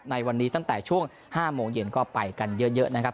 ในวันนี้ตั้งแต่ช่วง๕โมงเย็นก็ไปกันเยอะนะครับ